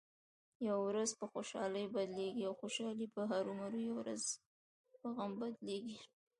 یوه ورځ په خوشحالۍ بدلېږي او خوشحالي به هرومرو یوه ورځ په غم بدلېږې.